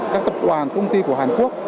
các tập quản công ty của hàn quốc